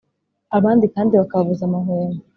abandi kandi bakababuza amahwemo